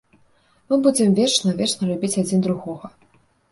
Мы будзем вечна, вечна любіць адзін другога.